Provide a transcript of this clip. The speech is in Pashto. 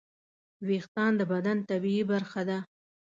وېښتيان د بدن طبیعي برخه ده.